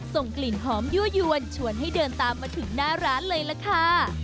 ส่งกลิ่นหอมยั่วยวนชวนให้เดินตามมาถึงหน้าร้านเลยล่ะค่ะ